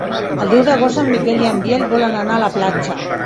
El deu d'agost en Miquel i en Biel volen anar a la platja.